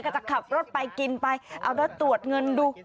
จะขับรถไปกินไปเอาแล้วตรวจเงินดู